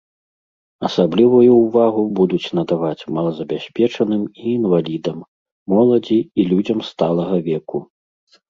Асаблівую ўвагу будуць надаваць малазабяспечаным і інвалідам, моладзі і людзям сталага веку.